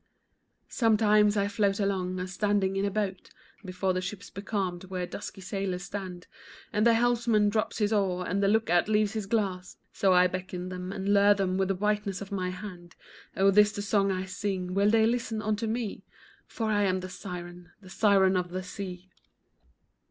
Sometimes I float along a standing in a boat, Before the ships becalmed, where dusky sailors stand, And the helmsman drops his oar, and the lookout leaves his glass, So I beckon them, and lure them, with the whiteness of my hand; Oh, this the song I sing, well they listen unto me? For I am the siren, the siren of the sea.